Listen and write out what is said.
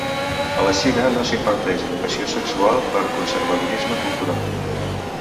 A la Xina no s"imparteix educació sexual pel conservadorisme cultural.